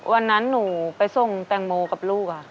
วันนั้นหนูไปส่งแตงโมกับลูกค่ะ